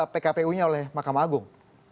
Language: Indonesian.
pkpu nya oleh mahkamah agung